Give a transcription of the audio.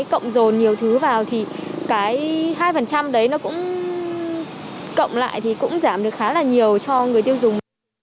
cộng dồn nhiều thứ vào thì cái hai đấy nó cũng cộng lại thì cũng giảm được khá là nhiều cho người tiêu dùng